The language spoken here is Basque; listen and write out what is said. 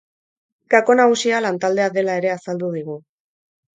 Gako nagusia, lantaldea dela ere azaldu digu.